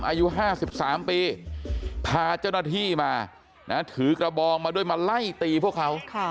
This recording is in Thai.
อายุ๕๓ปีพาเจ้าหน้าที่มาถือกระบองมาด้วยมาไล่ตีพวกเขา